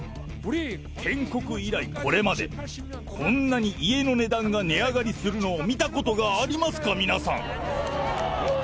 建国以来、これまでこんなに家の値段が値上がりするのを見たことがありますか、皆さん。